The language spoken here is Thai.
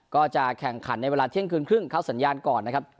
ก็จะแข่งขันในเวลาเที่ยงคืนครึ่งเข้าสัญญาณก่อนนะครับ